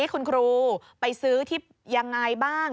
คุณครูไปซื้อที่ยังไงบ้าง